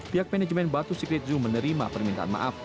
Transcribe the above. pihak manajemen batu secret zoo menerima permintaan maaf